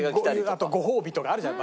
あとご褒美とかあるじゃん